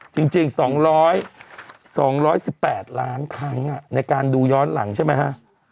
จริง๒๑๘ล้านครั้งในการดูย้อนหลังใช่ไหมฮะ